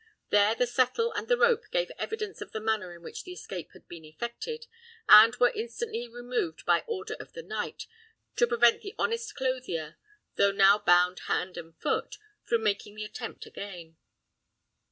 There the settle and the rope gave evidence of the manner in which the escape had been effected, and were instantly removed by order of the knight, to prevent the honest clothier, though now bound hand and foot, from making the attempt again.